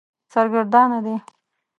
سرګردانه دی.